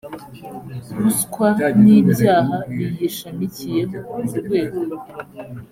ruswa n ibyaha biyishamikiyeho mu rwego